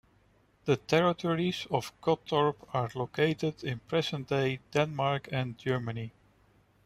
The territories of Gottorp are located in present-day Denmark and Germany.